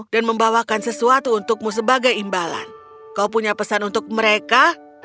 membawakan sesuatu untukmu sebagai imbalan kau punya pesan untuk mereka